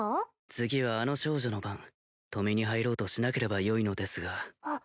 次はあの少女の番止めに入ろうとしなければよいのですがあっ